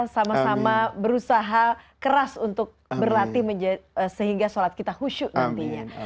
sama sama berusaha keras untuk berlatih sehingga sholat kita khusyuk nantinya